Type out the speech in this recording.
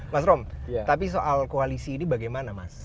mas rom tapi soal koalisi ini bagaimana mas